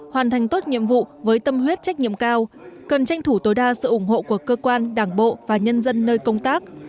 hoàn thành tốt nhiệm vụ với tâm huyết trách nhiệm cao cần tranh thủ tối đa sự ủng hộ của cơ quan đảng bộ và nhân dân nơi công tác